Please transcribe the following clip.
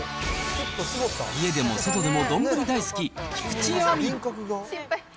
家でも外でも丼大好き、菊地亜美。